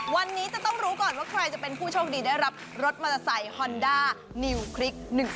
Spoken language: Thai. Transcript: วันนี้จะต้องรู้ก่อนว่าใครจะเป็นผู้โชคดีได้รับรถมอเตอร์ไซค์ฮอนด้านิวคลิก๑๒